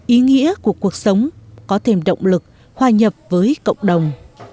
ý nghĩa của cuộc sống có thêm động lực hòa nhập với cộng đồng